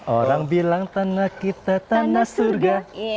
orang bilang tanah kita tanah surga